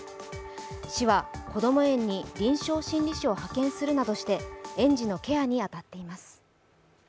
市は、こども園に臨床心理士を派遣するなどして園児のケアに当たっています。